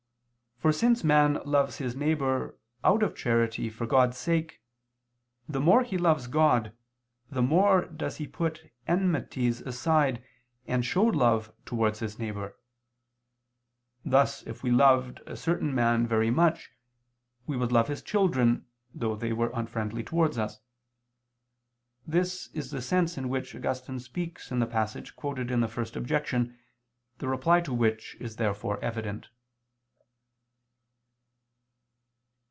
For since man loves his neighbor, out of charity, for God's sake, the more he loves God, the more does he put enmities aside and show love towards his neighbor: thus if we loved a certain man very much, we would love his children though they were unfriendly towards us. This is the sense in which Augustine speaks in the passage quoted in the First Objection, the Reply to which is therefore evident.